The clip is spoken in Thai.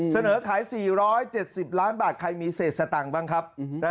เสนอขาย๔๗๐ล้านบาทใครมีเศษสตังค์บ้างครับ